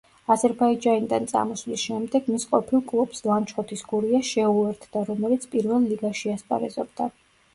აზერბაიჯანიდან წამოსვლის შემდეგ მის ყოფილ კლუბს, ლანჩხუთის „გურიას“ შეუერთდა, რომელიც პირველ ლიგაში ასპარეზობდა.